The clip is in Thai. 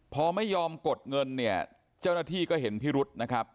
พอไม่ยอมกดเงินเนี่ยเจ้าหน้าที่ก็เห็นพิรุษนะครับ